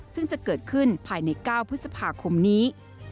ซึ่งจะเกิดขึ้นภายใน๙พฤษภาคมนี้